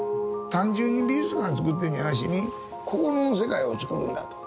単純に美術館つくってんじゃなしに心の世界をつくるんだと。